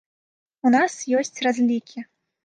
У нас ёсць разлікі.